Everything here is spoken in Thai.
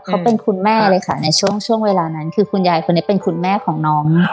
เขาเป็นคุณแม่เลยค่ะในช่วงเวลานั้นคือคุณยายคนนี้เป็นคุณแม่ของน้อง